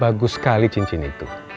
bagus sekali cincin itu